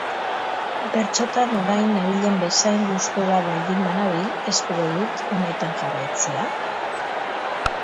Bertsotan orain nabilen bezain gustura baldin banabil, espero dut honetan jarraitzea.